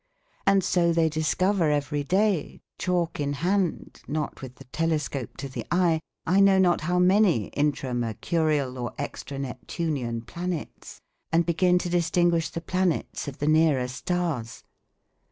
And so they discover every day, chalk in hand, not with the telescope to the eye, I know not how many intra mercurial or extra neptunian planets, and begin to distinguish the planets of the nearer stars.